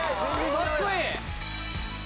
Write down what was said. かっこいい。